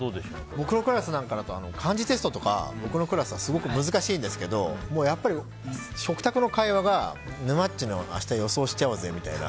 僕のクラスなんかだと漢字テストとかすごく難しいんですけど食卓の会話がぬまっちの明日予想しちゃおうぜみたいな。